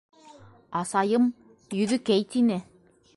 — Асайым, Йөҙөкәй, — тине.